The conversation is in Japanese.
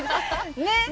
ねっ？